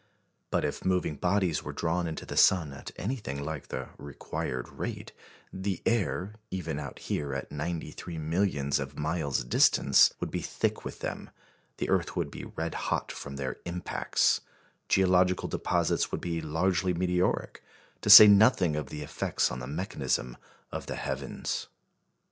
But if moving bodies were drawn into the sun at anything like the required rate, the air, even out here at ninety three millions of miles distance, would be thick with them; the earth would be red hot from their impacts; geological deposits would be largely meteoric; to say nothing of the effects on the mechanism of the heavens.